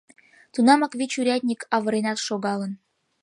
Тунамак вич урядник авыренат шогалын.